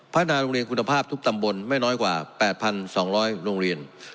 นาโรงเรียนคุณภาพทุกตำบลไม่น้อยกว่า๘๒๐๐โรงเรียน